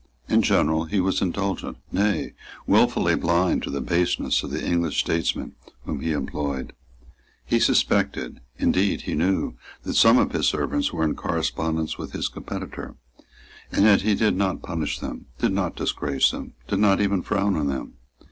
In general he was indulgent, nay, wilfully blind to the baseness of the English statesmen whom he employed. He suspected, indeed he knew, that some of his servants were in correspondence with his competitor; and yet he did not punish them, did not disgrace them, did not even frown on them.